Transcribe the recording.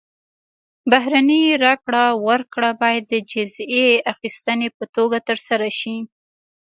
بهرنۍ راکړه ورکړه باید د جزیې اخیستنې په توګه ترسره شي.